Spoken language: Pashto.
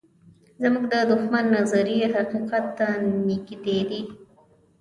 زموږ د دښمن نظریې حقیقت ته نږدې دي.